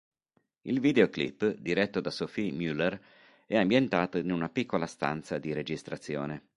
Il videoclip, diretto da Sophie Muller, è ambientato in una piccola stanza di registrazione.